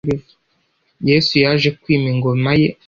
yesu yaje kwima ingoma ye